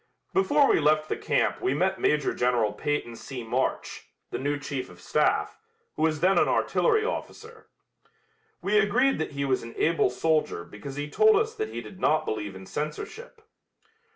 Before we left the camp we met Major General Peyton C. March, the new chief of staff, who was then an artillery officer. We agreed that he was an able soldier because he told us that he did not believe in censorship.